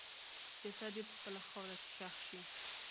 جسد یې په خپله خاوره کې ښخ شي.